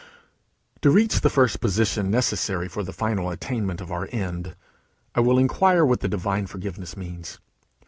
To reach the first position necessary for the final attainment of our end, I will inquire what the divine forgiveness means.